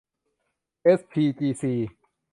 เอสพีซีจี